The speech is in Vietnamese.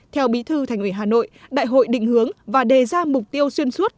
theo bí thư thành ủy hà nội đại hội định hướng và đề ra mục tiêu xuyên suốt